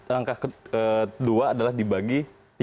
langkah kedua adalah dibagi